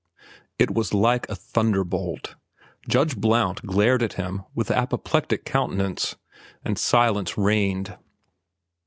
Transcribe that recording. It was like a thunderbolt. Judge Blount glared at him with apoplectic countenance, and silence reigned.